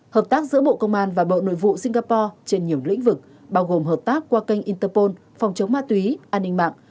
hợp tác giữa bộ công an và bộ nội vụ singapore trên nhiều lĩnh vực bao gồm hợp tác qua kênh interpol phòng chống ma túy an ninh mạng